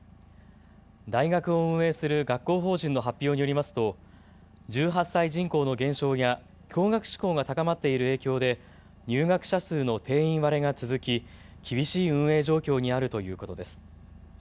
大学を運営する学校法人の発表によりますと１８歳人口の減少や共学志向が高まっている影響で入学者数の定員割れが続き厳しい運営状況にあるということです。